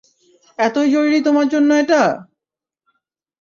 এতোই জরুরি তোমার জন্য এটা?